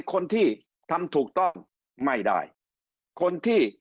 คนที่ทำถูกต้องไม่ได้คนที่